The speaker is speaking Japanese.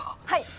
はい！